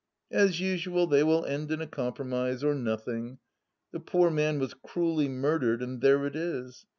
As usual they will end in a compromise, or nothing. The poor man was crueUy murdered, and there it is